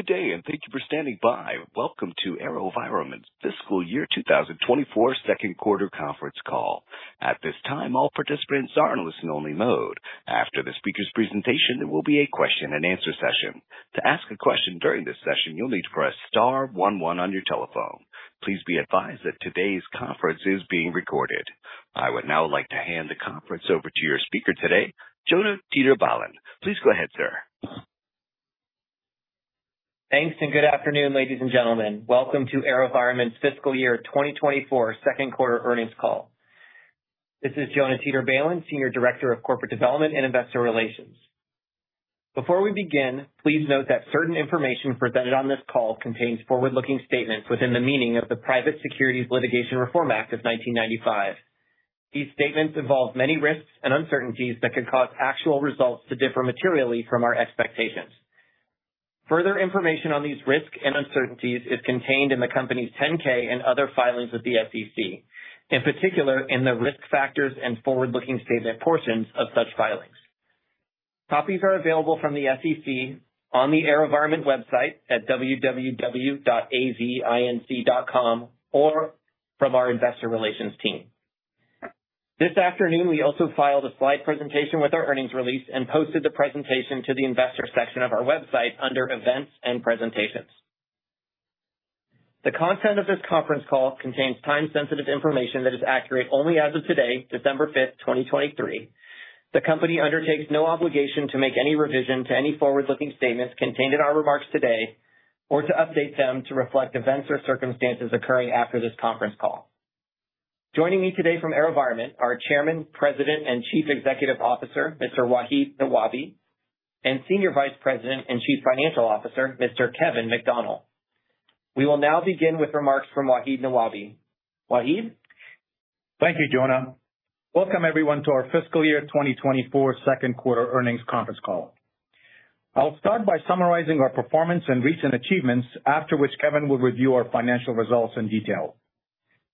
Good day, and thank you for standing by. Welcome to AeroVironment's Fiscal Year 2024 second quarter conference call. At this time, all participants are in listen-only mode. After the speaker's presentation, there will be a question-and-answer session. To ask a question during this session, you'll need to press star one one on your telephone. Please be advised that today's conference is being recorded. I would now like to hand the conference over to your speaker today, Jonah Teeter-Balin. Please go ahead, sir. Thanks, and good afternoon, ladies and gentlemen. Welcome to AeroVironment's Fiscal Year 2024 second quarter earnings call. This is Jonah Teeter-Balin, Senior Director of Corporate Development and Investor Relations. Before we begin, please note that certain information presented on this call contains forward-looking statements within the meaning of the Private Securities Litigation Reform Act of 1995. These statements involve many risks and uncertainties that could cause actual results to differ materially from our expectations. Further information on these risks and uncertainties is contained in the company's 10-K and other filings with the SEC, in particular, in the risk factors and forward-looking statement portions of such filings. Copies are available from the SEC on the AeroVironment website at www.avinc.com or from our investor relations team. This afternoon, we also filed a slide presentation with our earnings release and posted the presentation to the investor section of our website under events and presentations. The content of this conference call contains time-sensitive information that is accurate only as of today, December 5th, 2023. The company undertakes no obligation to make any revision to any forward-looking statements contained in our remarks today or to update them to reflect events or circumstances occurring after this conference call. Joining me today from AeroVironment are Chairman, President, and Chief Executive Officer, Mr. Wahid Nawabi, and Senior Vice President and Chief Financial Officer, Mr. Kevin McDonnell. We will now begin with remarks from Wahid Nawabi. Wahid? Thank you, Jonah. Welcome everyone to our fiscal year 2024 second quarter earnings conference call. I'll start by summarizing our performance and recent achievements, after which Kevin will review our financial results in detail.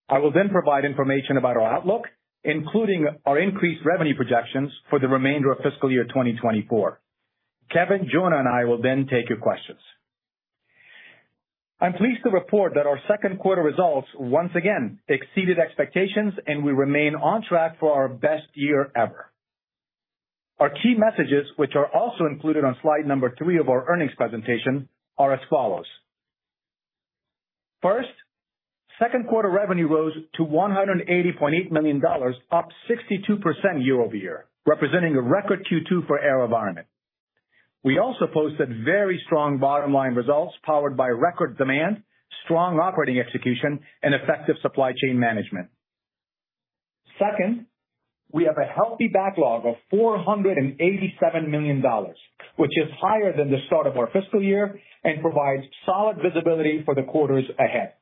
I will then provide information about our outlook, including our increased revenue projections for the remainder of fiscal year 2024. Kevin, Jonah, and I will then take your questions. I'm pleased to report that our second quarter results once again exceeded expectations, and we remain on track for our best year ever. Our key messages, which are also included on slide number three of our earnings presentation, are as follows: first, second quarter revenue rose to $180.8 million, up 62% year-over-year, representing a record Q2 for AeroVironment. We also posted very strong bottom-line results, powered by record demand, strong operating execution, and effective supply chain management. Second, we have a healthy backlog of $487 million, which is higher than the start of our fiscal year and provides solid visibility for the quarters ahead.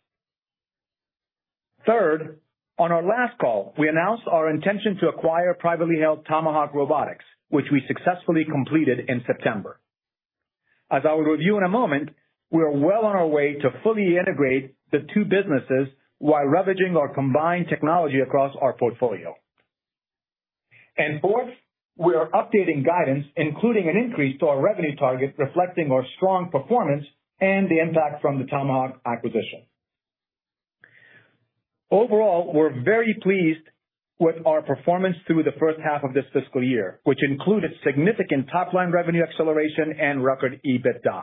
Third, on our last call, we announced our intention to acquire privately held Tomahawk Robotics, which we successfully completed in September. As I will review in a moment, we are well on our way to fully integrate the two businesses while leveraging our combined technology across our portfolio. And fourth, we are updating guidance, including an increase to our revenue target, reflecting our strong performance and the impact from the Tomahawk acquisition. Overall, we're very pleased with our performance through the first half of this fiscal year, which included significant top-line revenue acceleration and record EBITDA.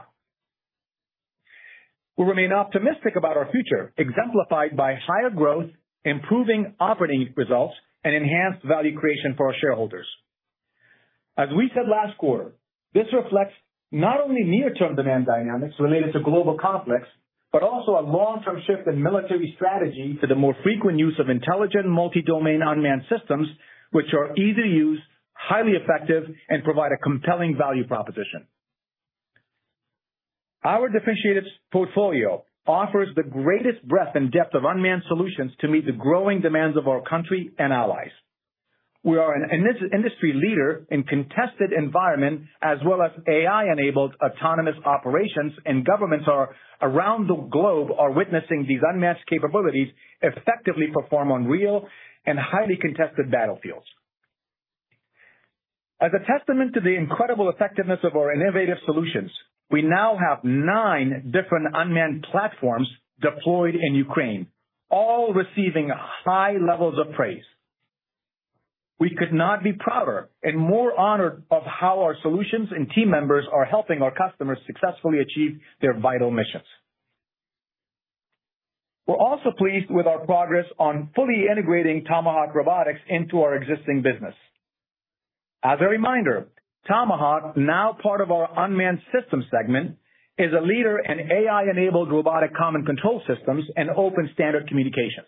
We remain optimistic about our future, exemplified by higher growth, improving operating results, and enhanced value creation for our shareholders. As we said last quarter, this reflects not only near-term demand dynamics related to global conflicts, but also a long-term shift in military strategy to the more frequent use of intelligent, multi-domain unmanned systems, which are easy to use, highly effective, and provide a compelling value proposition. Our differentiated portfolio offers the greatest breadth and depth of unmanned solutions to meet the growing demands of our country and allies. We are an industry leader in contested environment as well as AI-enabled autonomous operations, and governments around the globe are witnessing these unmatched capabilities effectively perform on real and highly contested battlefields. As a testament to the incredible effectiveness of our innovative solutions, we now have nine different unmanned platforms deployed in Ukraine, all receiving high levels of praise. We could not be prouder and more honored of how our solutions and team members are helping our customers successfully achieve their vital missions. We're also pleased with our progress on fully integrating Tomahawk Robotics into our existing business. As a reminder, Tomahawk, now part of our unmanned system segment, is a leader in AI-enabled robotic common control systems and open standard communications.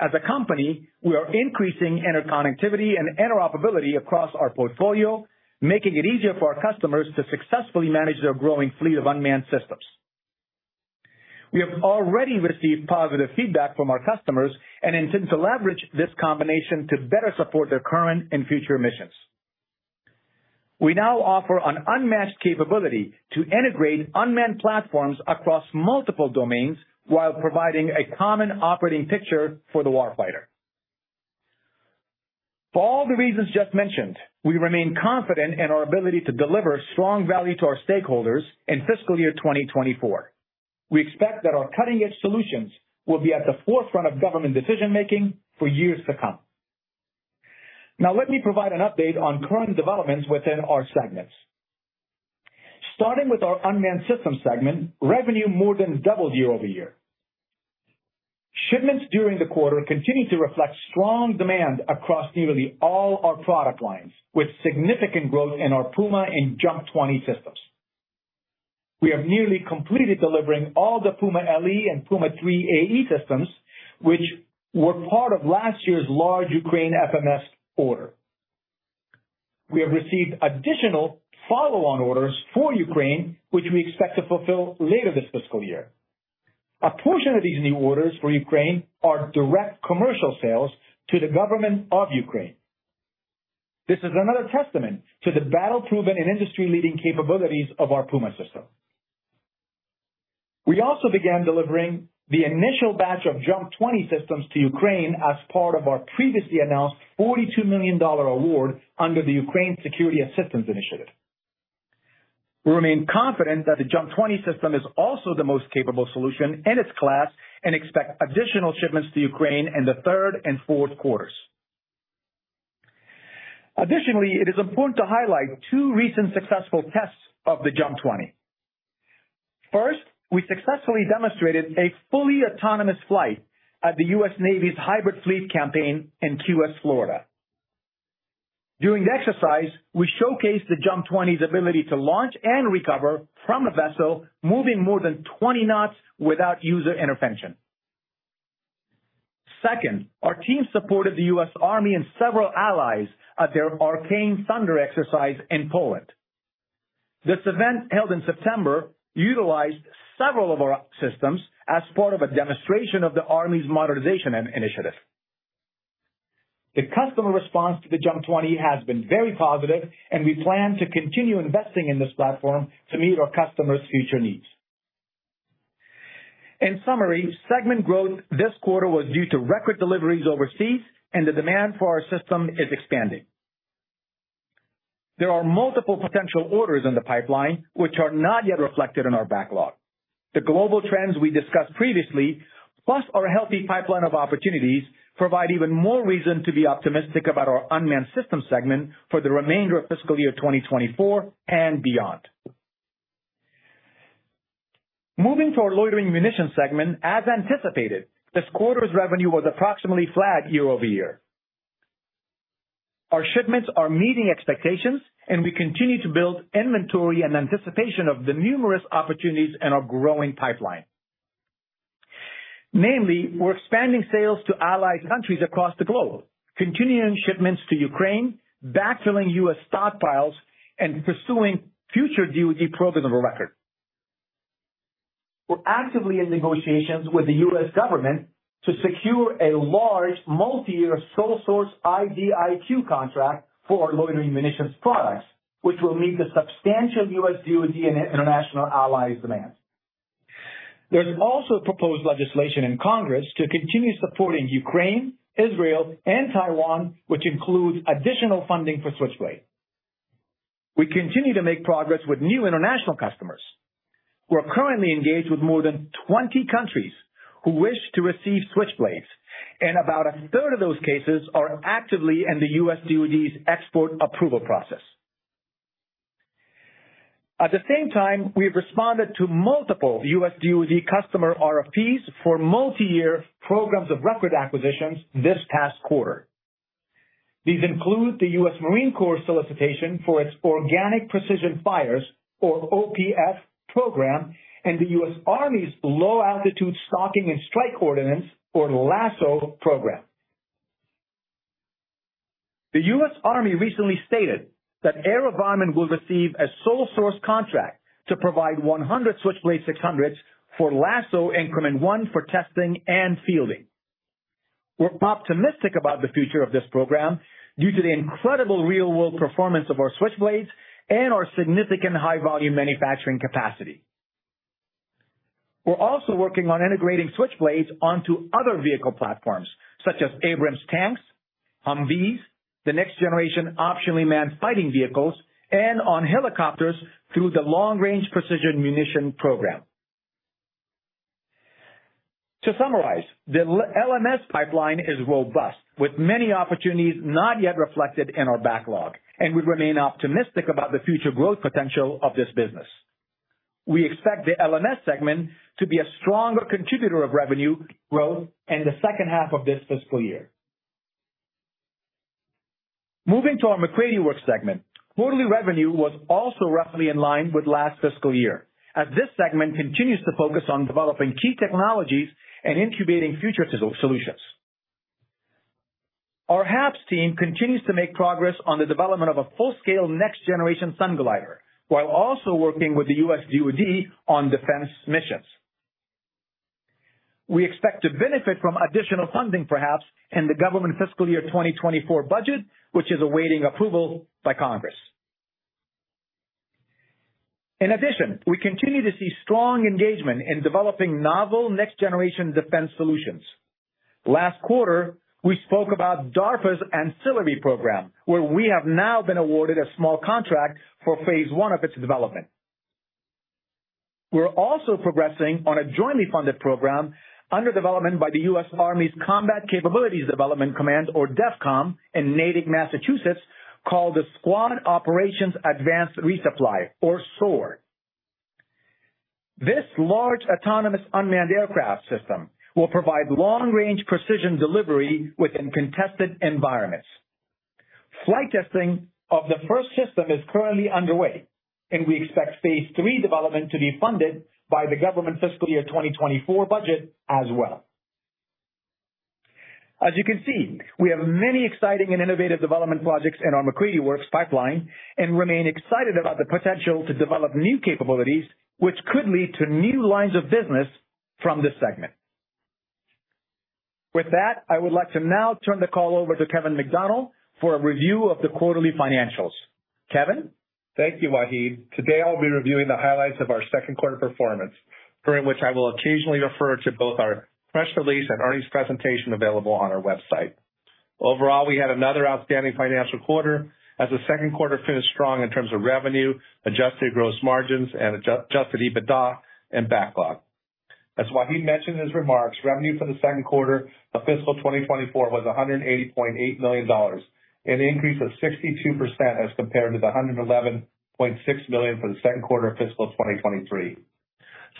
As a company, we are increasing interconnectivity and interoperability across our portfolio, making it easier for our customers to successfully manage their growing fleet of unmanned systems. We have already received positive feedback from our customers and intend to leverage this combination to better support their current and future missions. We now offer an unmatched capability to integrate unmanned platforms across multiple domains while providing a common operating picture for the warfighter. For all the reasons just mentioned, we remain confident in our ability to deliver strong value to our stakeholders in fiscal year 2024. We expect that our cutting-edge solutions will be at the forefront of government decision-making for years to come. Now, let me provide an update on current developments within our segments. Starting with our unmanned system segment, revenue more than doubled year-over-year. Shipments during the quarter continued to reflect strong demand across nearly all our product lines, with significant growth in our Puma and JUMP 20 systems. We have nearly completed delivering all the Puma LE and Puma AE systems, which were part of last year's large Ukraine FMS order. We have received additional follow-on orders for Ukraine, which we expect to fulfill later this fiscal year. A portion of these new orders for Ukraine are direct commercial sales to the government of Ukraine. This is another testament to the battle-proven and industry-leading capabilities of our Puma system. We also began delivering the initial batch of JUMP 20 systems to Ukraine as part of our previously announced $42 million award under the Ukraine Security Assistance Initiative. We remain confident that the JUMP 20 system is also the most capable solution in its class and expect additional shipments to Ukraine in the third and fourth quarters. Additionally, it is important to highlight two recent successful tests of the JUMP 20. First, we successfully demonstrated a fully autonomous flight at the U.S. Navy's Hybrid Fleet Campaign in Key West, Florida. During the exercise, we showcased the JUMP 20's ability to launch and recover from a vessel moving more than 20 knots without user intervention. Second, our team supported the U.S. Army and several allies at their Arcane Thunder exercise in Poland. This event, held in September, utilized several of our systems as part of a demonstration of the army's modernization and initiative. The customer response to the JUMP 20 has been very positive, and we plan to continue investing in this platform to meet our customers' future needs. In summary, segment growth this quarter was due to record deliveries overseas and the demand for our system is expanding. There are multiple potential orders in the pipeline, which are not yet reflected in our backlog. The global trends we discussed previously, plus our healthy pipeline of opportunities, provide even more reason to be optimistic about our unmanned system segment for the remainder of fiscal year 2024 and beyond. Moving to our loitering munition segment. As anticipated, this quarter's revenue was approximately flat year-over-year. Our shipments are meeting expectations, and we continue to build inventory in anticipation of the numerous opportunities in our growing pipeline. Namely, we're expanding sales to allied countries across the globe, continuing shipments to Ukraine, backfilling U.S. stockpiles, and pursuing future DoD programs of record. We're actively in negotiations with the U.S. government to secure a large, multi-year, sole source IDIQ contract for loitering munitions products, which will meet the substantial U.S. DoD and international allies' demands. There's also proposed legislation in Congress to continue supporting Ukraine, Israel, and Taiwan, which includes additional funding for Switchblade. We continue to make progress with new international customers. We're currently engaged with more than 20 countries who wish to receive Switchblades, and about a third of those cases are actively in the U.S. DoD's export approval process. At the same time, we've responded to multiple U.S. DoD customer RFPs for multi-year programs of record acquisitions this past quarter. These include the U.S. Marine Corps solicitation for its Organic Precision Fires, or OPF program, and the U.S. Army's Low Altitude Stalking and Strike Ordnance, or LASSO program. The U.S. Army recently stated that AeroVironment will receive a sole source contract to provide 100 Switchblade 600s for LASSO Increment 1 for testing and fielding. We're optimistic about the future of this program due to the incredible real-world performance of our Switchblades and our significant high-volume manufacturing capacity. We're also working on integrating Switchblades onto other vehicle platforms, such as Abrams tanks, Humvees, the next-generation Optionally Manned Fighting Vehicles, and on helicopters through the Long-Range Precision Munition program. To summarize, the LMS pipeline is robust, with many opportunities not yet reflected in our backlog, and we remain optimistic about the future growth potential of this business. We expect the LMS segment to be a stronger contributor of revenue growth in the second half of this fiscal year. Moving to our MacCready Works segment. Quarterly revenue was also roughly in line with last fiscal year, as this segment continues to focus on developing key technologies and incubating future solutions. Our HAPS team continues to make progress on the development of a full-scale next-generation Sunglider, while also working with the U.S. DoD on defense missions. We expect to benefit from additional funding for HAPS in the government fiscal year 2024 budget, which is awaiting approval by Congress. In addition, we continue to see strong engagement in developing novel next-generation defense solutions. Last quarter, we spoke about DARPA's ANCILLARY program, where we have now been awarded a small contract for phase I of its development. We're also progressing on a jointly funded program under development by the U.S. Army's Combat Capabilities Development Command, or DEVCOM, in Natick, Massachusetts, called the Squad Operations Advanced Resupply, or SOAR. This large, autonomous, unmanned aircraft system will provide long-range precision delivery within contested environments. Flight testing of the first system is currently underway, and we expect phase III development to be funded by the government fiscal year 2024 budget as well. As you can see, we have many exciting and innovative development projects in our MacCready Works pipeline and remain excited about the potential to develop new capabilities, which could lead to new lines of business from this segment. With that, I would like to now turn the call over to Kevin McDonnell for a review of the quarterly financials. Kevin? Thank you, Wahid. Today, I'll be reviewing the highlights of our second quarter performance, during which I will occasionally refer to both our press release and earnings presentation available on our website. Overall, we had another outstanding financial quarter as the second quarter finished strong in terms of revenue, adjusted gross margins and adjusted EBITDA and backlog. As Wahid mentioned in his remarks, revenue for the second quarter of fiscal 2024 was $180.8 million, an increase of 62% as compared to the $111.6 million for the second quarter of fiscal 2023.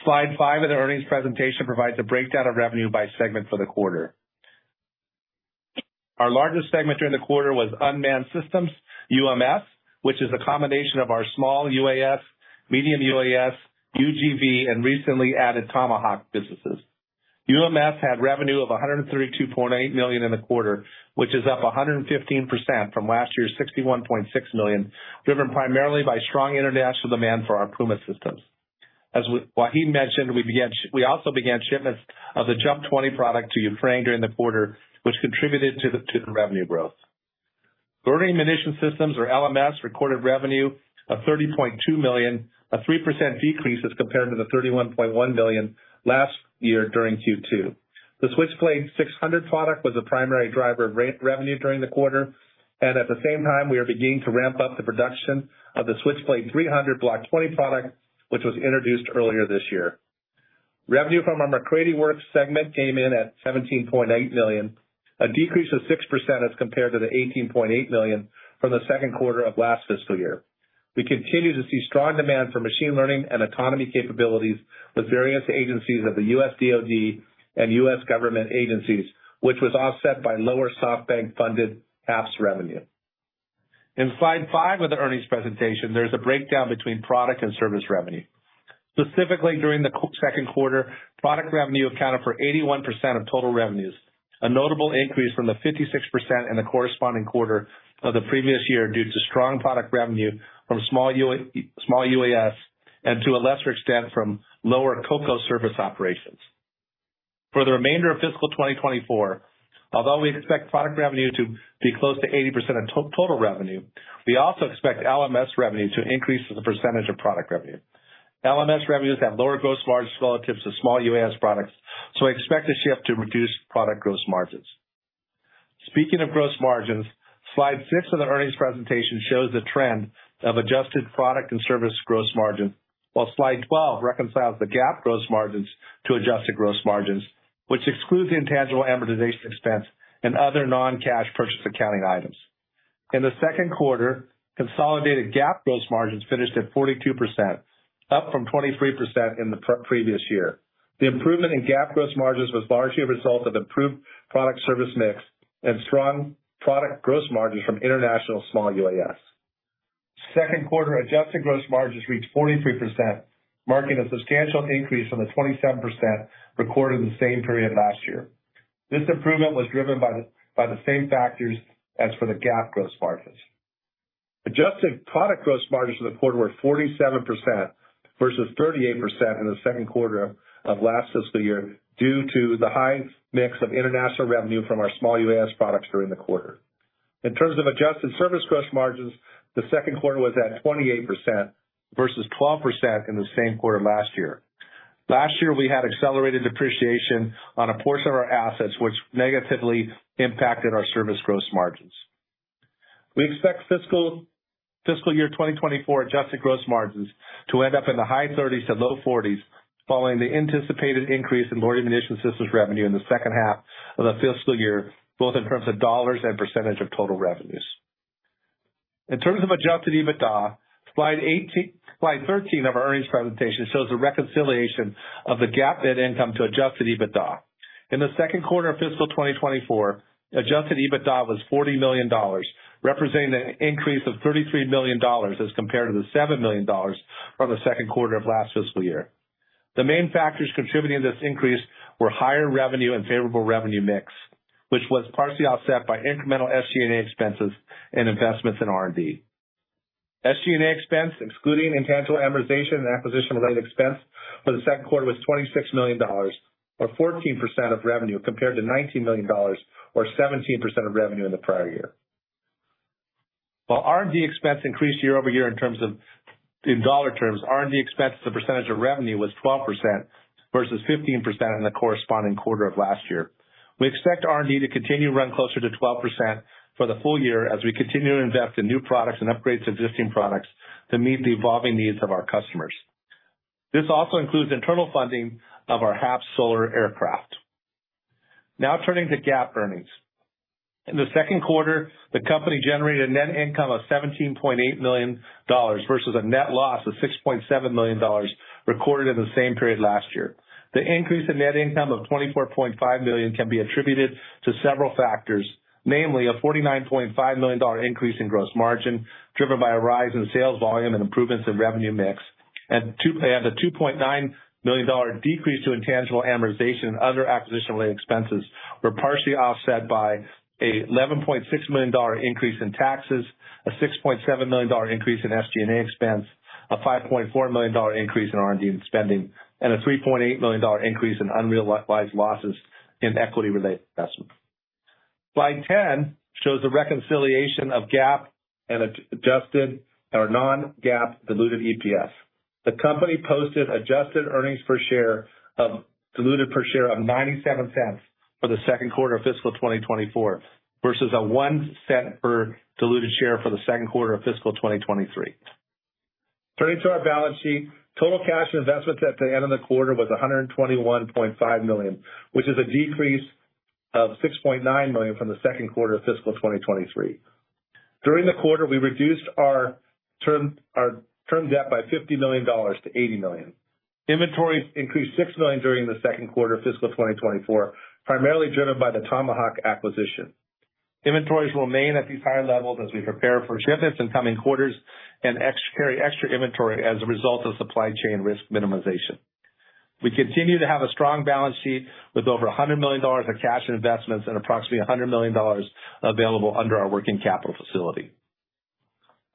Slide 5 of the earnings presentation provides a breakdown of revenue by segment for the quarter. Our largest segment during the quarter was unmanned systems, UMS, which is a combination of our small UAS, medium UAS, UGV and recently added Tomahawk businesses. UMS had revenue of $132.8 million in the quarter, which is up 115% from last year's $61.6 million, driven primarily by strong international demand for our Puma systems. As Wahid mentioned, we also began shipments of the JUMP 20 product to Ukraine during the quarter, which contributed to the revenue growth. Loitering Munition Systems, or LMS, recorded revenue of $30.2 million, a 3% decrease as compared to the $31.1 million last year during Q2. The Switchblade 600 product was the primary driver of revenue during the quarter, and at the same time, we are beginning to ramp up the production of the Switchblade 300 Block 20 product, which was introduced earlier this year. Revenue from our MacCready Works segment came in at $17.8 million, a decrease of 6% as compared to the $18.8 million from the second quarter of last fiscal year. We continue to see strong demand for machine learning and autonomy capabilities with various agencies of the U.S. DoD and U.S. government agencies, which was offset by lower SoftBank-funded HAPS revenue. In slide five of the earnings presentation, there's a breakdown between product and service revenue. Specifically, during the second quarter, product revenue accounted for 81% of total revenues, a notable increase from the 56% in the corresponding quarter of the previous year, due to strong product revenue from small UAS and to a lesser extent, from lower COCO service operations. For the remainder of fiscal 2024, although we expect product revenue to be close to 80% of total revenue, we also expect LMS revenue to increase as a percentage of product revenue. LMS revenues have lower gross margins relative to small UAS products, so we expect a shift to reduced product gross margins. Speaking of gross margins, slide six of the earnings presentation shows the trend of adjusted product and service gross margin, while slide 12 reconciles the GAAP gross margins to adjusted gross margins, which excludes the intangible amortization expense and other non-cash purchase accounting items. In the second quarter, consolidated GAAP gross margins finished at 42%, up from 23% in the previous year. The improvement in GAAP gross margins was largely a result of improved product service mix and strong product gross margins from international small UAS. Second quarter adjusted gross margins reached 43%, marking a substantial increase from the 27% recorded in the same period last year. This improvement was driven by the same factors as for the GAAP gross margins. Adjusted product gross margins for the quarter were 47% versus 38% in the second quarter of last fiscal year, due to the high mix of international revenue from our small UAS products during the quarter. In terms of adjusted service gross margins, the second quarter was at 28% versus 12% in the same quarter last year. Last year, we had accelerated depreciation on a portion of our assets, which negatively impacted our service gross margins. We expect fiscal year 2024 adjusted gross margins to end up in the high 30s-low 40s, following the anticipated increase in Loitering Munition Systems revenue in the second half of the fiscal year, both in terms of dollars and percentage of total revenues. In terms of adjusted EBITDA, Slide 13 of our earnings presentation shows a reconciliation of the GAAP net income to adjusted EBITDA. In the second quarter of fiscal 2024, adjusted EBITDA was $40 million, representing an increase of $33 million as compared to the $7 million from the second quarter of last fiscal year. The main factors contributing to this increase were higher revenue and favorable revenue mix, which was partially offset by incremental SG&A expenses and investments in R&D. SG&A expense, excluding intangible amortization and acquisition-related expense for the second quarter, was $26 million, or 14% of revenue, compared to $19 million, or 17% of revenue in the prior year. While R&D expense increased year-over-year in terms of, in dollar terms, R&D expense as a percentage of revenue was 12% versus 15% in the corresponding quarter of last year. We expect R&D to continue to run closer to 12% for the full year as we continue to invest in new products and upgrades to existing products to meet the evolving needs of our customers. This also includes internal funding of our HAPS solar aircraft. Now turning to GAAP earnings. In the second quarter, the company generated a net income of $17.8 million versus a net loss of $6.7 million recorded in the same period last year. The increase in net income of $24.5 million can be attributed to several factors, namely a $49.5 million increase in gross margin, driven by a rise in sales volume and improvements in revenue mix. And a $2.9 million decrease to intangible amortization and other acquisition-related expenses were partially offset by an $11.6 million increase in taxes, a $6.7 million increase in SG&A expense, a $5.4 million increase in R&D spending, and a $3.8 million increase in unrealized losses in equity-related investments. Slide 10 shows a reconciliation of GAAP and adjusted non-GAAP diluted EPS. The company posted adjusted diluted earnings per share of $0.97 for the second quarter of fiscal 2024 versus $0.01 per diluted share for the second quarter of fiscal 2023. Turning to our balance sheet. Total cash and investments at the end of the quarter was $121.5 million, which is a decrease of $6.9 million from the second quarter of fiscal 2023. During the quarter, we reduced our term debt by $50 million to $80 million. Inventories increased $6 million during the second quarter of fiscal 2024, primarily driven by the Tomahawk acquisition. Inventories will remain at these high levels as we prepare for shipments in coming quarters and expect to carry extra inventory as a result of supply chain risk minimization. We continue to have a strong balance sheet with over $100 million of cash and investments and approximately $100 million available under our working capital facility.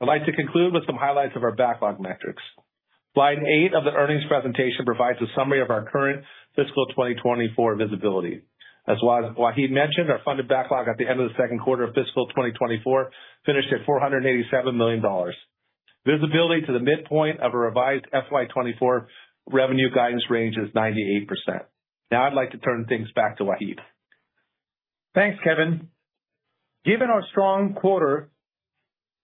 I'd like to conclude with some highlights of our backlog metrics. Slide 8 of the earnings presentation provides a summary of our current fiscal 2024 visibility. As Wahid mentioned, our funded backlog at the end of the second quarter of fiscal 2024 finished at $487 million. Visibility to the midpoint of a revised FY 2024 revenue guidance range is 98%. Now I'd like to turn things back to Wahid. Thanks, Kevin. Given our strong quarter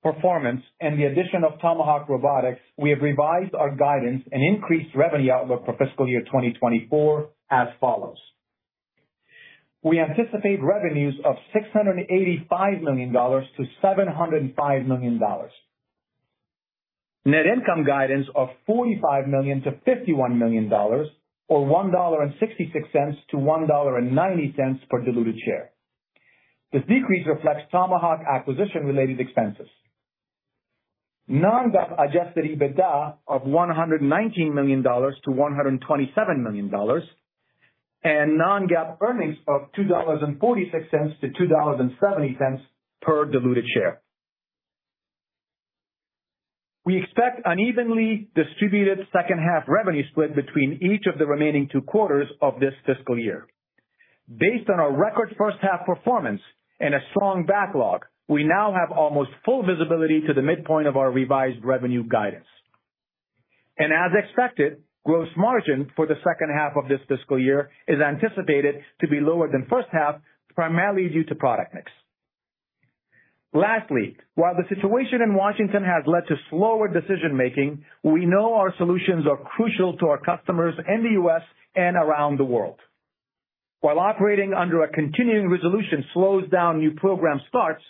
performance and the addition of Tomahawk Robotics, we have revised our guidance and increased revenue outlook for fiscal year 2024 as follows: We anticipate revenues of $685 million-$705 million. Net income guidance of $45 million-$51 million, or $1.66-$1.90 per diluted share. This decrease reflects Tomahawk acquisition-related expenses. Non-GAAP adjusted EBITDA of $119 million-$127 million, and non-GAAP earnings of $2.46-$2.70 per diluted share. We expect unevenly distributed second-half revenue split between each of the remaining two quarters of this fiscal year. Based on our record first-half performance and a strong backlog, we now have almost full visibility to the midpoint of our revised revenue guidance. As expected, gross margin for the second half of this fiscal year is anticipated to be lower than first half, primarily due to product mix. Lastly, while the situation in Washington has led to slower decision making, we know our solutions are crucial to our customers in the U.S. and around the world. While operating under a continuing resolution slows down new program starts,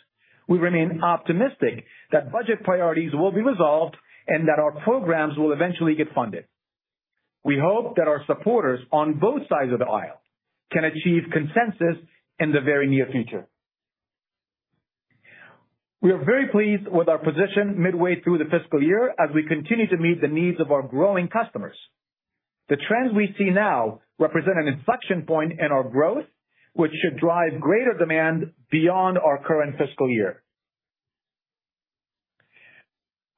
we remain optimistic that budget priorities will be resolved and that our programs will eventually get funded. We hope that our supporters on both sides of the aisle can achieve consensus in the very near future. We are very pleased with our position midway through the fiscal year as we continue to meet the needs of our growing customers. The trends we see now represent an inflection point in our growth, which should drive greater demand beyond our current fiscal year.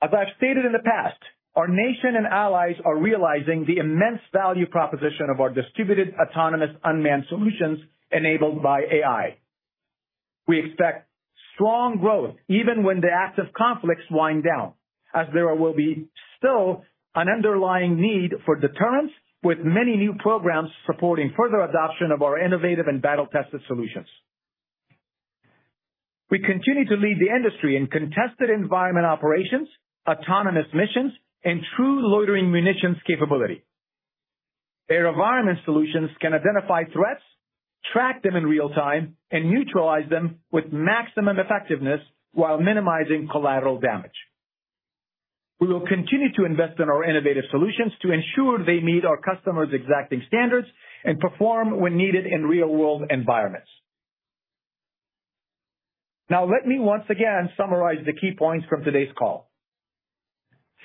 As I've stated in the past, our nation and allies are realizing the immense value proposition of our distributed, autonomous, unmanned solutions enabled by AI. We expect strong growth even when the active conflicts wind down, as there will be still an underlying need for deterrence, with many new programs supporting further adoption of our innovative and battle-tested solutions. We continue to lead the industry in contested environment operations, autonomous missions, and true loitering munitions capability. AeroVironment solutions can identify threats, track them in real time, and neutralize them with maximum effectiveness while minimizing collateral damage. We will continue to invest in our innovative solutions to ensure they meet our customers' exacting standards and perform when needed in real-world environments. Now, let me once again summarize the key points from today's call.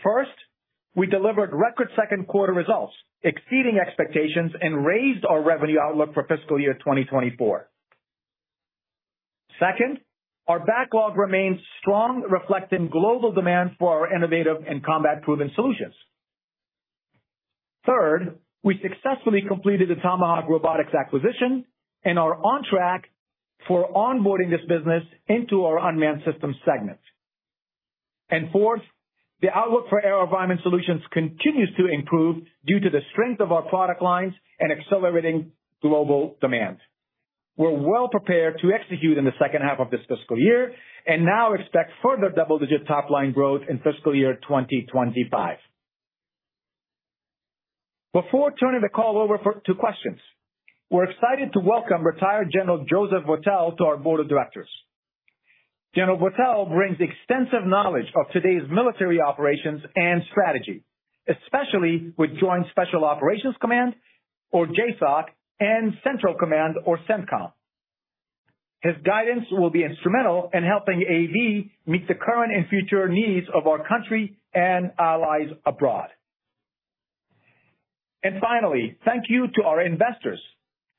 First, we delivered record second quarter results, exceeding expectations, and raised our revenue outlook for fiscal year 2024. Second, our backlog remains strong, reflecting global demand for our innovative and combat-proven solutions.... Third, we successfully completed the Tomahawk Robotics acquisition and are on track for onboarding this business into our unmanned systems segment. And fourth, the outlook for AeroVironment Solutions continues to improve due to the strength of our product lines and accelerating global demand. We're well prepared to execute in the second half of this fiscal year and now expect further double-digit top line growth in fiscal year 2025. Before turning the call over to questions, we're excited to welcome Retired General Joseph Votel to our board of directors. General Votel brings extensive knowledge of today's military operations and strategy, especially with Joint Special Operations Command, or JSOC, and Central Command, or CENTCOM. His guidance will be instrumental in helping AV meet the current and future needs of our country and allies abroad. And finally, thank you to our investors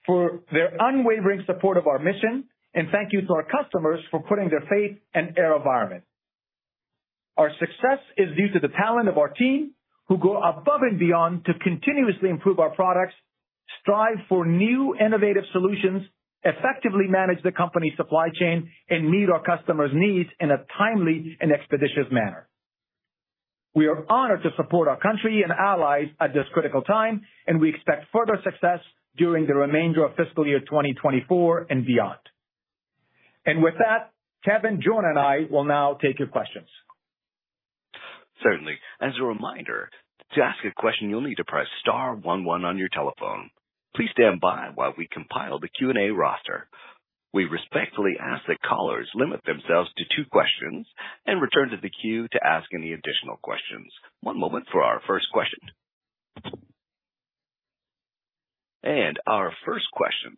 for their unwavering support of our mission. And thank you to our customers for putting their faith in AeroVironment. Our success is due to the talent of our team, who go above and beyond to continuously improve our products, strive for new innovative solutions, effectively manage the company's supply chain, and meet our customers' needs in a timely and expeditious manner. We are honored to support our country and allies at this critical time, and we expect further success during the remainder of fiscal year 2024 and beyond. With that, Kevin, Jonah, and I will now take your questions. Certainly. As a reminder, to ask a question, you'll need to press star one one on your telephone. Please stand by while we compile the Q&A roster. We respectfully ask that callers limit themselves to two questions and return to the queue to ask any additional questions. One moment for our first question. Our first question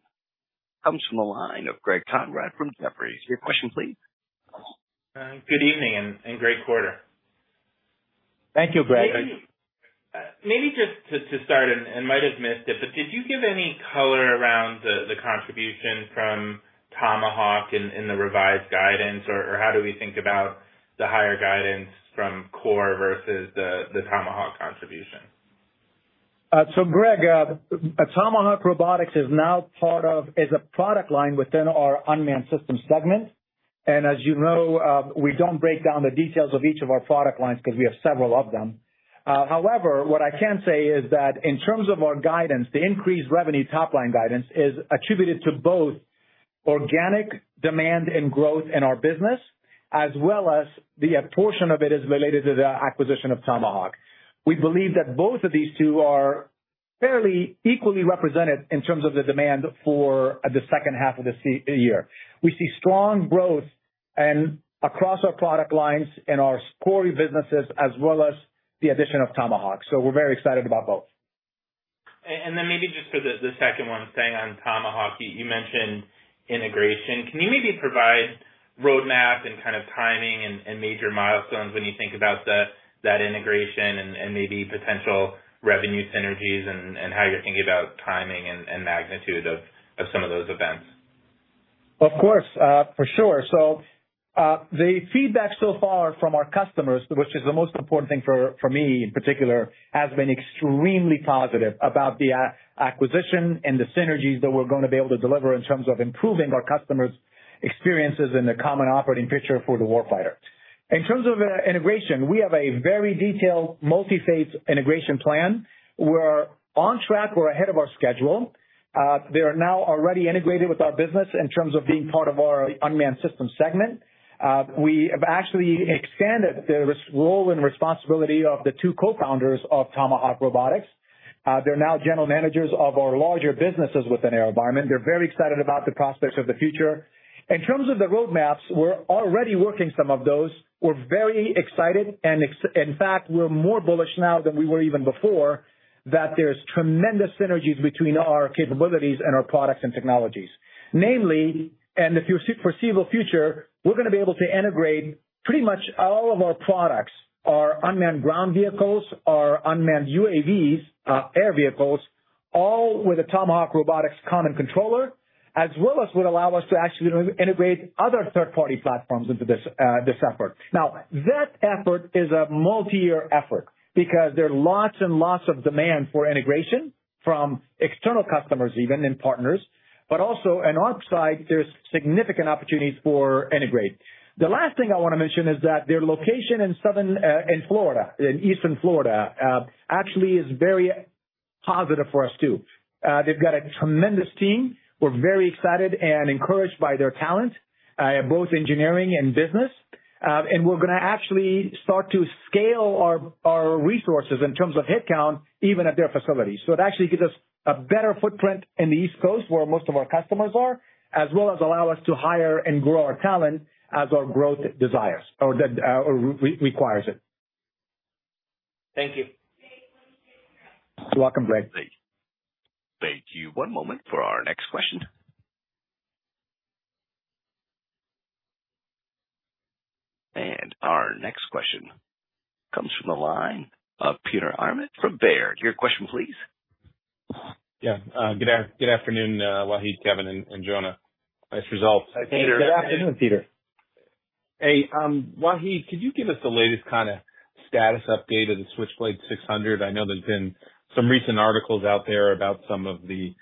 comes from the line of Greg Konrad from Jefferies. Your question, please. Good evening and great quarter. Thank you, Greg. Maybe just to start, and might have missed it, but did you give any color around the contribution from Tomahawk in the revised guidance? Or, how do we think about the higher guidance from Core versus the Tomahawk contribution? So Greg, Tomahawk Robotics is now part of is a product line within our unmanned system segment. And as you know, we don't break down the details of each of our product lines because we have several of them. However, what I can say is that in terms of our guidance, the increased revenue top line guidance is attributed to both organic demand and growth in our business, as well as the portion of it is related to the acquisition of Tomahawk. We believe that both of these two are fairly equally represented in terms of the demand for the second half of the year. We see strong growth and across our product lines in our core businesses, as well as the addition of Tomahawk. So we're very excited about both. Then maybe just for the second one, staying on Tomahawk. You mentioned integration. Can you maybe provide roadmap and kind of timing and major milestones when you think about that integration and maybe potential revenue synergies and how you're thinking about timing and magnitude of some of those events? Of course, for sure. So, the feedback so far from our customers, which is the most important thing for me in particular, has been extremely positive about the acquisition and the synergies that we're going to be able to deliver in terms of improving our customers' experiences in the common operating picture for the warfighter. In terms of integration, we have a very detailed multi-phase integration plan. We're on track. We're ahead of our schedule. They are now already integrated with our business in terms of being part of our unmanned system segment. We have actually expanded the role and responsibility of the two cofounders of Tomahawk Robotics. They're now general managers of our larger businesses within AeroVironment. They're very excited about the prospects of the future. In terms of the roadmaps, we're already working some of those. We're very excited, and, in fact, we're more bullish now than we were even before, that there's tremendous synergies between our capabilities and our products and technologies. Namely, and the foreseeable future, we're gonna be able to integrate pretty much all of our products, our unmanned ground vehicles, our unmanned UAVs, air vehicles, all with a Tomahawk Robotics common controller, as well as would allow us to actually integrate other third-party platforms into this, this effort. Now, that effort is a multi-year effort because there are lots and lots of demand for integration from external customers even, and partners. But also on our side, there's significant opportunities for integrate. The last thing I want to mention is that their location in southern, in Florida, in eastern Florida, actually is very positive for us, too. They've got a tremendous team. We're very excited and encouraged by their talent, both engineering and business. And we're gonna actually start to scale our resources in terms of headcount, even at their facilities. So it actually gives us a better footprint in the East Coast, where most of our customers are, as well as allow us to hire and grow our talent as our growth desires or that requires it. Thank you. You're welcome, Greg. Thank you. One moment for our next question. Our next question comes from the line of Peter Arment from Baird. Your question please. Yeah. Good afternoon, Wahid, Kevin, and Jonah. Nice results. Good afternoon, Peter. Hey, Wahid, could you give us the latest kind of status update of the Switchblade 600? I know there's been some recent articles out there about some of the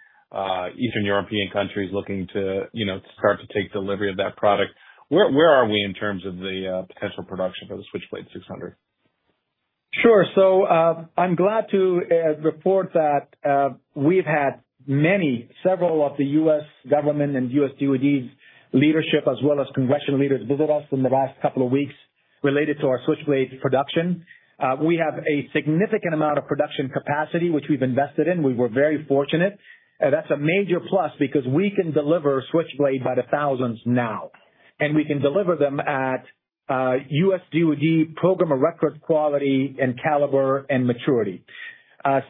Eastern European countries looking to, you know, start to take delivery of that product. Where, where are we in terms of the potential production for the Switchblade 600? Sure. So, I'm glad to report that we've had many, several of the U.S. government and U.S. D.O.D.'s leadership, as well as congressional leaders, visit us in the last couple of weeks related to our Switchblade production. We have a significant amount of production capacity, which we've invested in. We were very fortunate. That's a major plus because we can deliver Switchblade by the thousands now, and we can deliver them at U.S. D.O.D. program of record quality and caliber and maturity.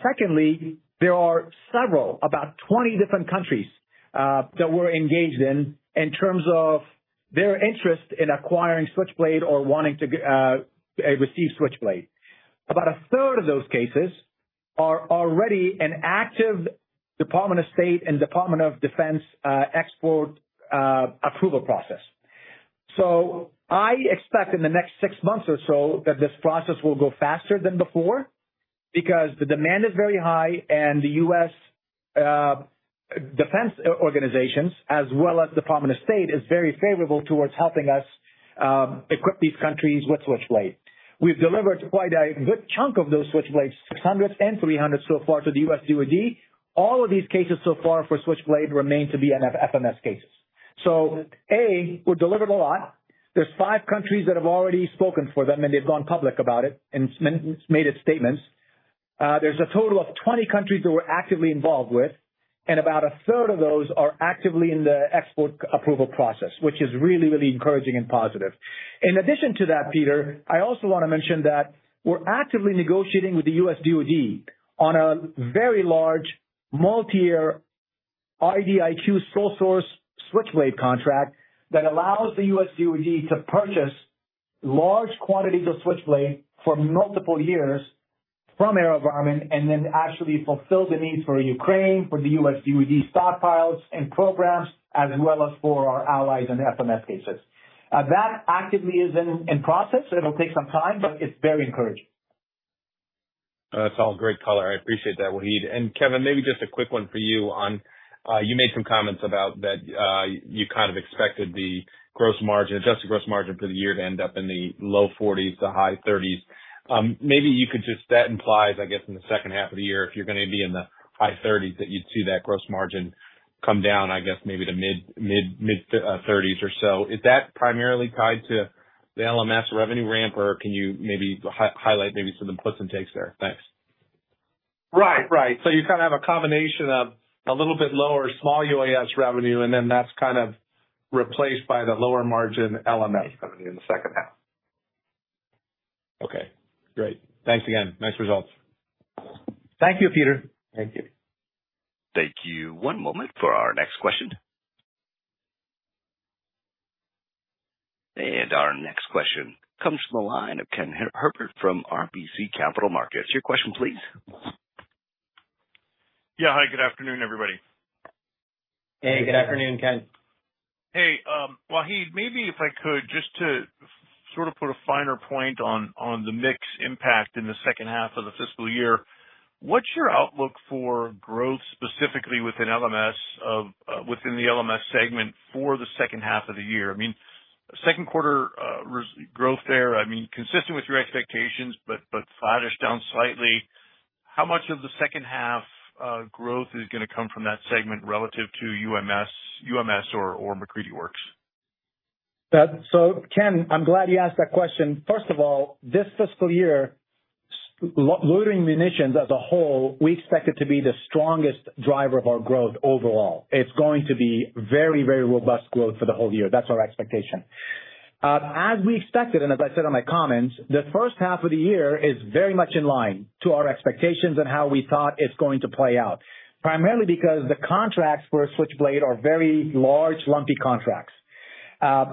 Secondly, there are several, about 20 different countries that we're engaged in, in terms of their interest in acquiring Switchblade or wanting to receive Switchblade. About a third of those cases are already an active Department of State and Department of Defense export approval process. I expect in the next six months or so that this process will go faster than before, because the demand is very high, and the U.S. defense organizations, as well as Department of State, is very favorable towards helping us equip these countries with Switchblade. We've delivered quite a good chunk of those Switchblade 600s and 300s so far to the U.S. DoD. All of these cases so far for Switchblade remain to be FMS cases. So we've delivered a lot. There's five countries that have already spoken for them, and they've gone public about it and made its statements. There's a total of 20 countries that we're actively involved with, and about a third of those are actively in the export approval process, which is really, really encouraging and positive. In addition to that, Peter, I also want to mention that we're actively negotiating with the U.S. DoD on a very large, multi-year IDIQ sole source Switchblade contract that allows the U.S. DoD to purchase large quantities of Switchblade for multiple years from AeroVironment, and then actually fulfill the needs for Ukraine, for the U.S. DoD stockpiles and programs, as well as for our allies in the FMS cases. That actively is in process. It'll take some time, but it's very encouraging. That's all great color. I appreciate that, Wahid. And Kevin, maybe just a quick one for you on, you made some comments about that, you kind of expected the gross margin, adjusted gross margin for the year to end up in the low 40s to high 30s. Maybe you could just—that implies, I guess, in the second half of the year, if you're going to be in the high 30s, that you'd see that gross margin come down, I guess, maybe to mid, mid, mid, thirties or so. Is that primarily tied to the LMS revenue ramp, or can you maybe highlight maybe some of the puts and takes there? Thanks. Right. Right. So you kind of have a combination of a little bit lower small UAS revenue, and then that's kind of replaced by the lower margin LMS company in the second half. Okay, great. Thanks again. Nice results. Thank you, Peter. Thank you. Thank you. One moment for our next question. Our next question comes from the line of Ken Herbert from RBC Capital Markets. Your question, please. Yeah, hi, good afternoon, everybody. Hey, good afternoon, Ken. Hey, Wahid, maybe if I could, just to sort of put a finer point on, on the mix impact in the second half of the fiscal year, what's your outlook for growth, specifically within LMS of, within the LMS segment for the second half of the year? I mean, second quarter, growth there, I mean, consistent with your expectations, but, but flattish down slightly. How much of the second half, growth is gonna come from that segment relative to UMS, UMS or, or MacCready Works? So, Ken, I'm glad you asked that question. First of all, this fiscal year, loitering munitions as a whole, we expect it to be the strongest driver of our growth overall. It's going to be very, very robust growth for the whole year. That's our expectation. As we expected, and as I said in my comments, the first half of the year is very much in line with our expectations and how we thought it's going to play out, primarily because the contracts for Switchblade are very large, lumpy contracts.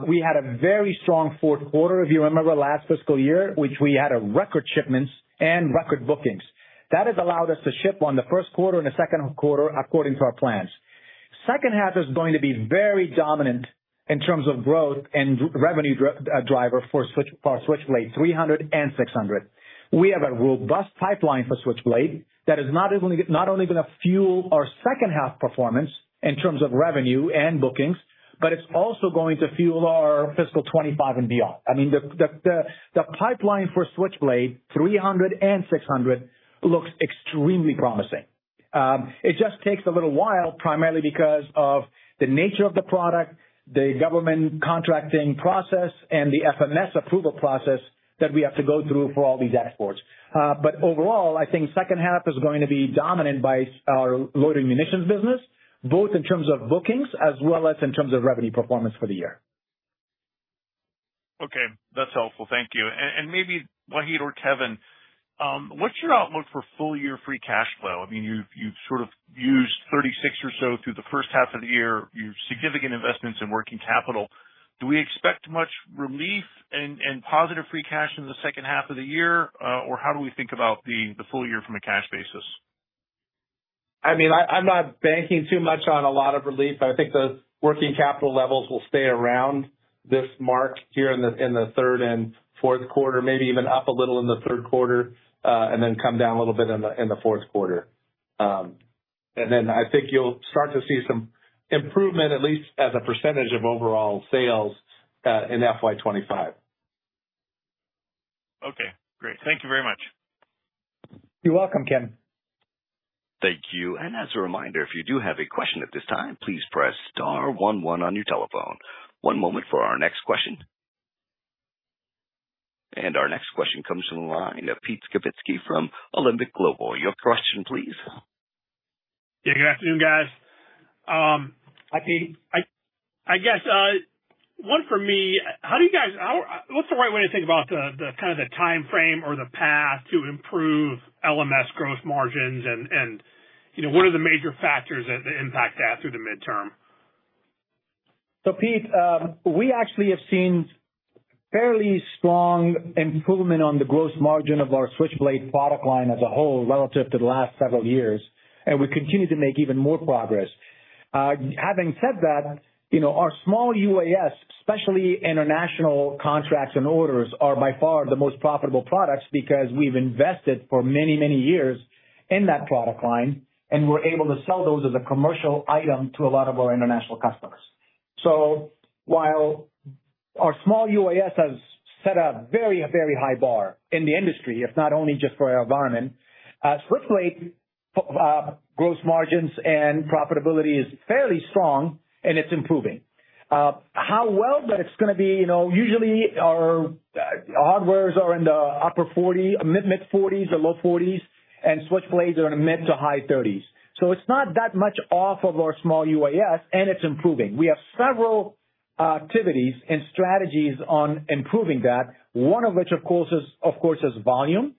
We had a very strong fourth quarter, if you remember, last fiscal year, which we had a record shipments and record bookings. That has allowed us to ship in the first quarter and the second quarter according to our plans. Second half is going to be very dominant in terms of growth and revenue driver for Switchblade 300 and 600. We have a robust pipeline for Switchblade that is not only going to fuel our second half performance in terms of revenue and bookings, but it's also going to fuel our fiscal 2025 and beyond. I mean, the pipeline for Switchblade 300 and 600 looks extremely promising. It just takes a little while, primarily because of the nature of the product, the government contracting process, and the FMS approval process that we have to go through for all these exports. But overall, I think second half is going to be dominant by our loitering munitions business, both in terms of bookings as well as in terms of revenue performance for the year. Okay, that's helpful. Thank you. And, and maybe Wahid or Kevin, what's your outlook for full year free cash flow? I mean, you've, you've sort of used $36 or so through the first half of the year. You have significant investments in working capital. Do we expect much relief and positive free cash in the second half of the year? Or how do we think about the full year from a cash basis? I mean, I'm not banking too much on a lot of relief. I think the working capital levels will stay around this mark here in the third and fourth quarter, and then come down a little bit in the fourth quarter. And then I think you'll start to see some improvement, at least as a percentage of overall sales, in FY 2025. Okay, great. Thank you very much. You're welcome, Ken. Thank you. And as a reminder, if you do have a question at this time, please press star one one on your telephone. One moment for our next question. And our next question comes from the line of Pete Skibitski from Alembic Global. Your question, please. Yeah. Good afternoon, guys. Hi, Pete. I guess, one for me, how do you guys—how, what's the right way to think about the, the kind of the timeframe or the path to improve LMS growth margins? And, you know, what are the major factors that impact that through the midterm? Pete, we actually have seen fairly strong improvement on the gross margin of our Switchblade product line as a whole, relative to the last several years, and we continue to make even more progress. Having said that, you know, our small UAS, especially international contracts and orders, are by far the most profitable products because we've invested for many, many years in that product line, and we're able to sell those as a commercial item to a lot of our international customers. So while our small UAS has set a very, a very high bar in the industry, if not only just for our environment, Switchblade gross margins and profitability is fairly strong, and it's improving. How well that it's gonna be, you know, usually our hardwares are in the upper 40, mid, mid-40s or low 40s, and Switchblades are in the mid- to high 30s. So it's not that much off of our small UAS, and it's improving. We have several activities and strategies on improving that, one of which, of course, is volume,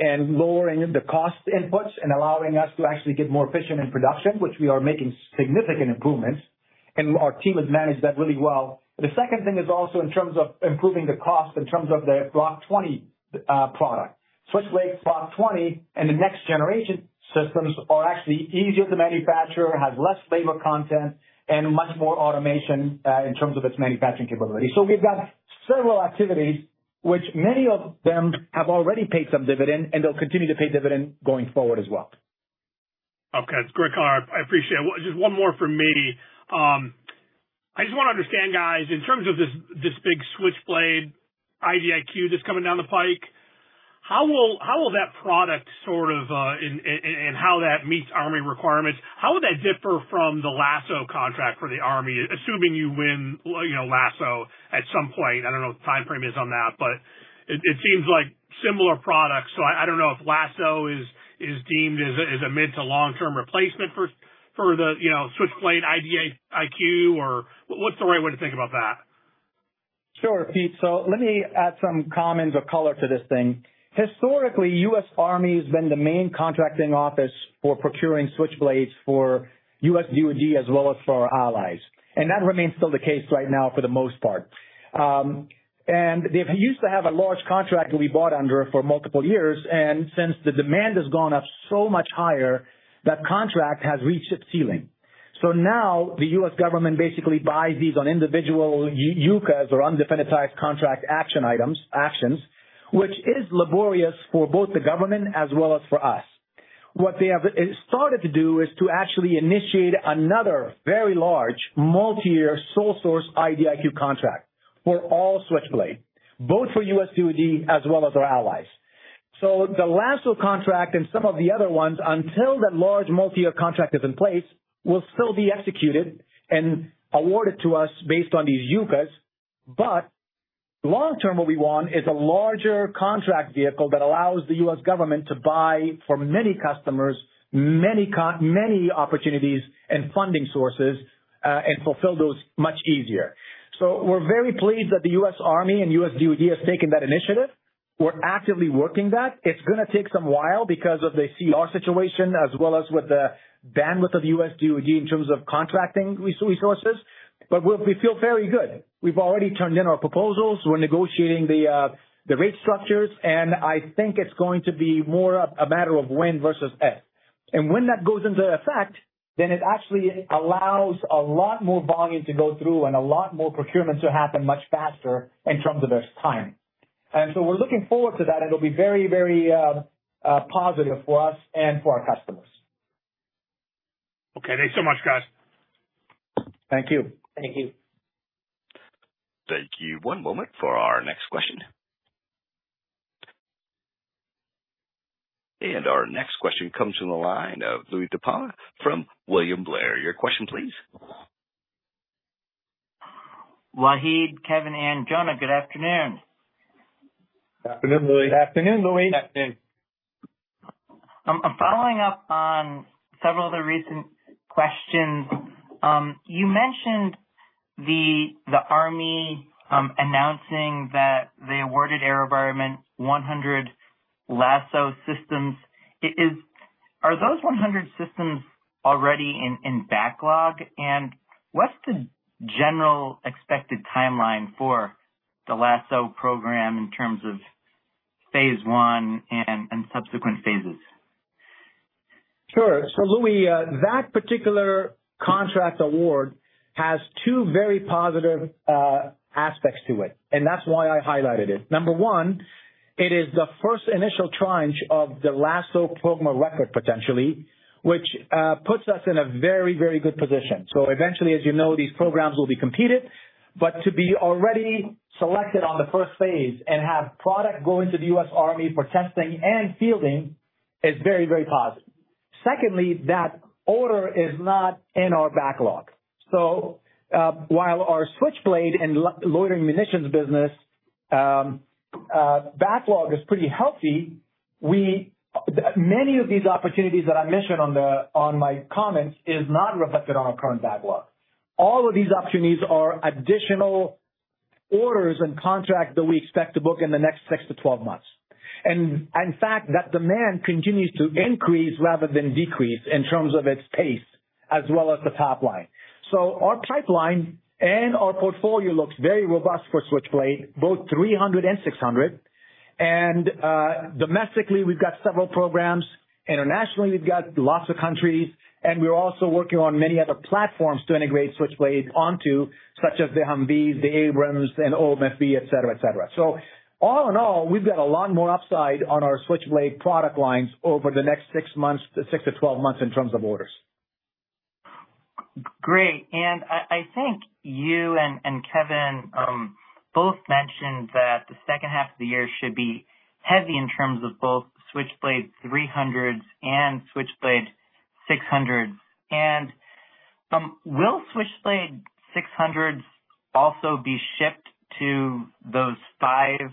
and lowering the cost inputs and allowing us to actually get more efficient in production, which we are making significant improvements, and our team has managed that really well. The second thing is also in terms of improving the cost in terms of the Block 20 product. Switchblade Block 20 and the next generation systems are actually easier to manufacture, has less labor content, and much more automation in terms of its manufacturing capability. We've got several activities, which many of them have already paid some dividend, and they'll continue to pay dividend going forward as well. Okay. It's great, color. I appreciate it. Just one more for me. I just want to understand, guys, in terms of this, this big Switchblade IDIQ that's coming down the pike, how will that product sort of, and how that meets Army requirements, how would that differ from the LASSO contract for the Army, assuming you win, you know, LASSO at some point? I don't know what the timeframe is on that, but it seems like similar products. So I don't know if LASSO is deemed as a mid to long-term replacement for, you know, Switchblade IDIQ, or what's the right way to think about that? Sure, Pete. So let me add some comments of color to this thing. Historically, U.S. Army has been the main contracting office for procuring Switchblades for U.S. DoD as well as for our allies, and that remains still the case right now for the most part. And they used to have a large contract that we bought under for multiple years, and since the demand has gone up so much higher, that contract has reached its ceiling. So now the U.S. government basically buys these on individual UCAs or undefinitized contract action items, actions, which is laborious for both the government as well as for us. What they have started to do is to actually initiate another very large multi-year sole source IDIQ contract for all Switchblade, both for U.S. DoD as well as our allies. So the LASSO contract and some of the other ones, until that large multi-year contract is in place, will still be executed and awarded to us based on these UCAs. But long term, what we want is a larger contract vehicle that allows the U.S. government to buy for many customers, many opportunities and funding sources, and fulfill those much easier. So we're very pleased that the U.S. Army and U.S. DoD have taken that initiative. We're actively working that. It's gonna take some while because of the CR situation, as well as with the bandwidth of the U.S. DoD in terms of contracting resources. But we feel fairly good. We've already turned in our proposals. We're negotiating the rate structures, and I think it's going to be more of a matter of when versus if. When that goes into effect, then it actually allows a lot more volume to go through and a lot more procurement to happen much faster in terms of its timing. So we're looking forward to that, and it'll be very, very positive for us and for our customers. Okay. Thanks so much, guys. Thank you. Thank you. Thank you. One moment for our next question. And our next question comes from the line of Louie DiPalma from William Blair. Your question, please. Wahid, Kevin, and Jonah, good afternoon. Afternoon, Louie. Good afternoon, Louie. Afternoon. I'm following up on several of the recent questions. You mentioned the Army announcing that they awarded AeroVironment 100 LASSO systems. Are those 100 systems already in backlog? And what's the general expected timeline for the LASSO program in terms of phase I and subsequent phases? Sure. So Louie, that particular contract award has two very positive aspects to it, and that's why I highlighted it. Number one, it is the first initial tranche of the LASSO program record, potentially, which puts us in a very, very good position. So eventually, as you know, these programs will be competed, but to be already selected on the first phase and have product go into the U.S. Army for testing and fielding is very, very positive. Secondly, that order is not in our backlog. So while our Switchblade and loitering munitions business backlog is pretty healthy, many of these opportunities that I mentioned on my comments is not reflected on our current backlog. All of these opportunities are additional orders and contracts that we expect to book in the next six to 12 months. In fact, that demand continues to increase rather than decrease in terms of its pace as well as the top line. So our pipeline and our portfolio looks very robust for Switchblade, both 300 and 600. And, domestically, we've got several programs. Internationally, we've got lots of countries, and we're also working on many other platforms to integrate Switchblade onto, such as the Humvee, the Abrams, and OMFV, et cetera, et cetera. So all in all, we've got a lot more upside on our Switchblade product lines over the next six months, six to 12 months in terms of orders. Great. I think you and Kevin both mentioned that the second half of the year should be heavy in terms of both Switchblade 300s and Switchblade 600. Will Switchblade 600s also be shipped to those five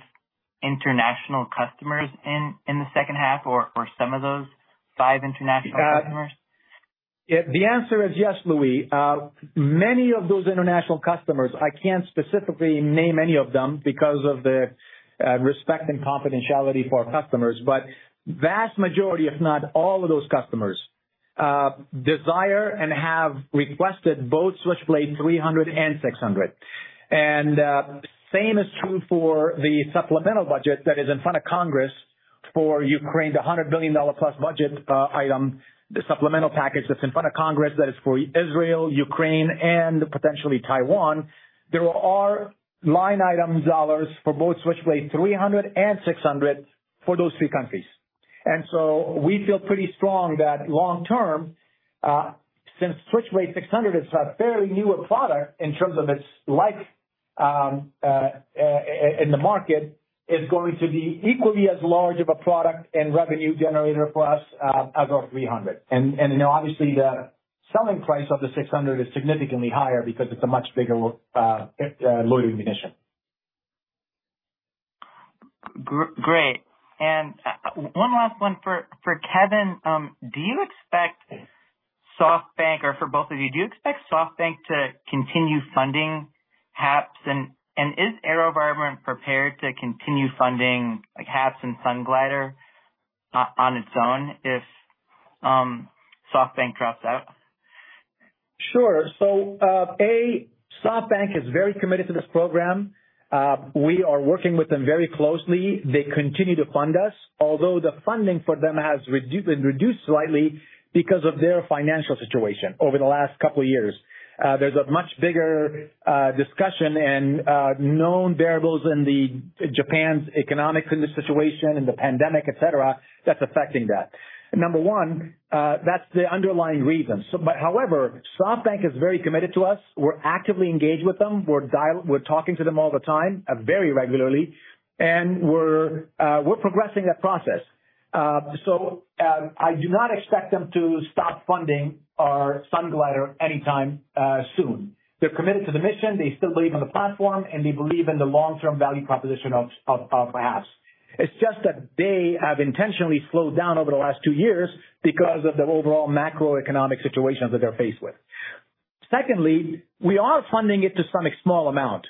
international customers in the second half or some of those five international customers? The answer is yes, Louie. Many of those international customers, I can't specifically name any of them because of the respect and confidentiality for our customers, but vast majority, if not all of those customers, desire and have requested both Switchblade 300 and 600. And same is true for the supplemental budget that is in front of Congress for Ukraine, the $100 billion+ budget item, the supplemental package that's in front of Congress, that is for Israel, Ukraine, and potentially Taiwan. There are line item dollars for both Switchblade 300 and 600 for those three countries. We feel pretty strong that long-term, since Switchblade 600 is a fairly newer product in terms of its life, in the market, is going to be equally as large of a product and revenue generator for us, as our Switchblade 300. And, and, you know, obviously, the selling price of the 600 is significantly higher because it's a much bigger, loitering munition. Great. And one last one for Kevin. Do you expect SoftBank, or for both of you, do you expect SoftBank to continue funding HAPS? And is AeroVironment prepared to continue funding, like, HAPS and Sunglider on its own if SoftBank drops out? Sure. So, SoftBank is very committed to this program. We are working with them very closely. They continue to fund us, although the funding for them has been reduced slightly because of their financial situation over the last couple of years. There's a much bigger discussion and known variables in Japan's economic situation and the pandemic, et cetera, that's affecting that. Number one, that's the underlying reason. However, SoftBank is very committed to us. We're actively engaged with them. We're talking to them all the time, very regularly, and we're progressing that process. So, I do not expect them to stop funding our Sunglider anytime soon. They're committed to the mission. They still believe in the platform, and they believe in the long-term value proposition of HAPS. It's just that they have intentionally slowed down over the last two years because of the overall macroeconomic situations that they're faced with. Secondly, we are funding it to some small amount,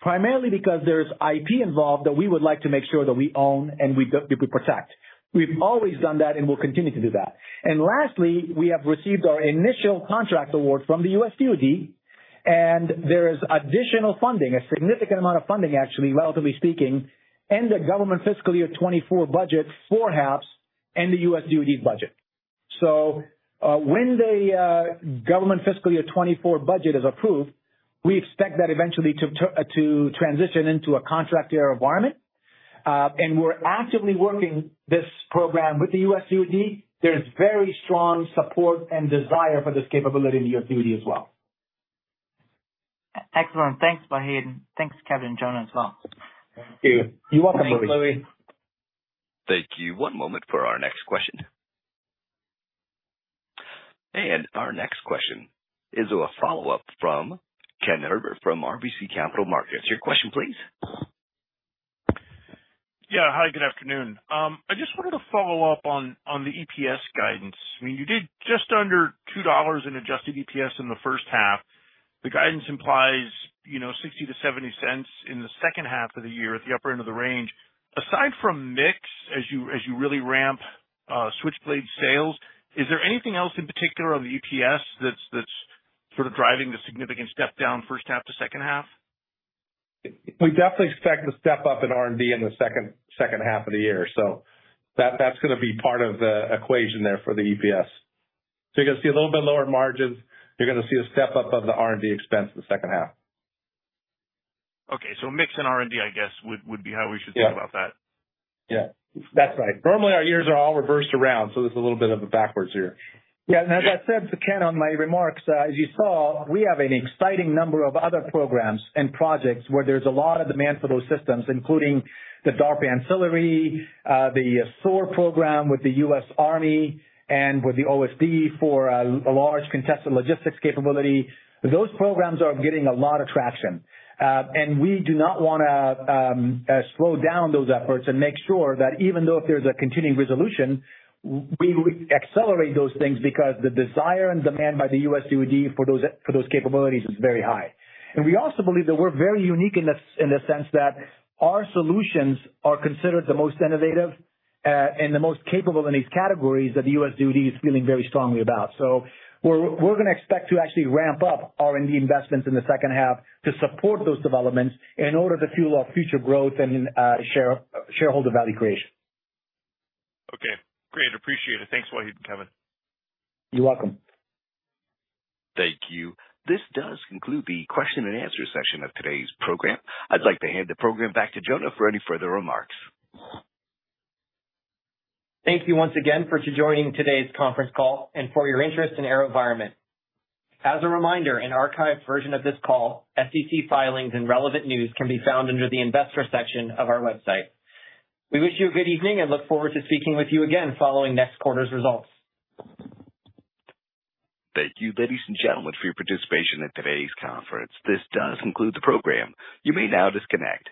primarily because there's IP involved that we would like to make sure that we own and we protect. We've always done that, and we'll continue to do that. And lastly, we have received our initial contract award from the U.S. DoD, and there is additional funding, a significant amount of funding, actually, relatively speaking, in the government fiscal year 2024 budget for HAPS and the U.S. DoD budget. So, when the government fiscal year 2024 budget is approved, we expect that eventually to transition into a contract to AeroVironment. And we're actively working this program with the U.S. DoD. There's very strong support and desire for this capability in the U.S. DOD as well. Excellent. Thanks, Wahid. Thanks, Kevin and Jonah, as well. Thank you. You're welcome, Louie. Thank you. One moment for our next question. Our next question is a follow-up from Ken Herbert from RBC Capital Markets. Your question, please. Yeah. Hi, good afternoon. I just wanted to follow up on the EPS guidance. I mean, you did just under $2 in adjusted EPS in the first half. The guidance implies, you know, $0.60-$0.70 in the second half of the year at the upper end of the range. Aside from mix, as you really ramp Switchblade sales, is there anything else in particular on the EPS that's sort of driving the significant step down first half to second half? We definitely expect to step up in R&D in the second half of the year, so that that's going to be part of the equation there for the EPS. So you're going to see a little bit lower margins. You're going to see a step up of the R&D expense in the second half. Okay. Mix and R&D, I guess, would be how we should think about that. Yeah, that's right. Normally, our years are all reversed around, so there's a little bit of a backwards year. Yeah. And as I said to Ken, on my remarks, as you saw, we have an exciting number of other programs and projects where there's a lot of demand for those systems, including the DARPA ANCILLARY, the SOAR program with the U.S. Army and with the OSD for, a large contested logistics capability. Those programs are getting a lot of traction. And we do not want to slow down those efforts and make sure that even though if there's a continuing resolution, we accelerate those things because the desire and demand by the U.S. DoD for those, for those capabilities is very high. We also believe that we're very unique in the sense that our solutions are considered the most innovative, and the most capable in these categories that the U.S. DoD is feeling very strongly about. We're going to expect to actually ramp up R&D investments in the second half to support those developments in order to fuel our future growth and shareholder value creation. Okay, great. Appreciate it. Thanks, Wahid and Kevin. You're welcome. Thank you. This does conclude the question and answer section of today's program. I'd like to hand the program back to Jonah for any further remarks. Thank you once again for joining today's conference call and for your interest in AeroVironment. As a reminder, an archived version of this call, SEC filings and relevant news can be found under the investor section of our website. We wish you a good evening and look forward to speaking with you again following next quarter's results. Thank you, ladies and gentlemen, for your participation in today's conference. This does conclude the program. You may now disconnect.